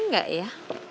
gengsi gak ya